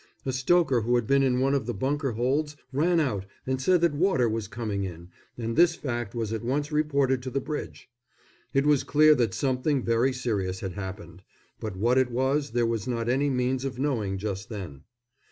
A stoker who had been in one of the bunker holds ran out and said that water was coming in, and this fact was at once reported to the bridge. It was clear that something very serious had happened, but what it was there was not any means of knowing just then.